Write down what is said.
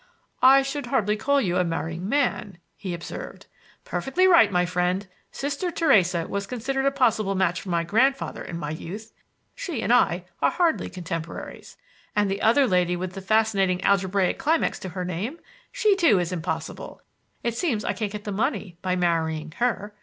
"I should hardly call you a marrying man," he observed. "Perfectly right, my friend! Sister Theresa was considered a possible match for my grandfather in my youth. She and I are hardly contemporaries. And the other lady with the fascinating algebraic climax to her name,—she, too, is impossible; it seems that I can't get the money by marrying her.